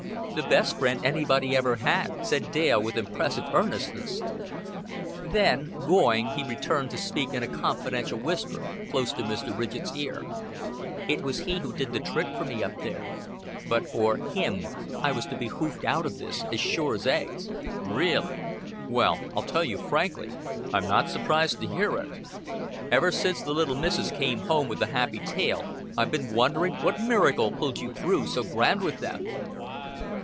"The best friend anybody ever had," said Dale with impressive earnestness. Then, going, he returned to speak in a confidential whisper close to Mr. Ridgett's ear. "It was he who did the trick for me up there. But for him, I was to be hoofed out of this, as sure as eggs." "Really! Well, I'll tell you frankly, I'm not surprised to hear it. Ever since the little Missis came home with the happy tale, I've been wondering what miracle pulled you through so grand with them."